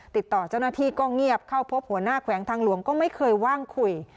ติดต่อเจ้าหน้าที่ก็เงียบเข้าพบหัวหน้าแขวงทางหลวงก็ไม่เคยว่างคุย